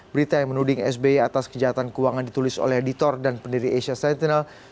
berita yang menuding sby atas kejahatan keuangan ditulis oleh editor dan pendiri asia sentinel